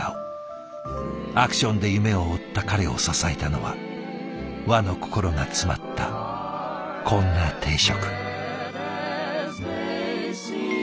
アクションで夢を追った彼を支えたのは和の心が詰まったこんな定食。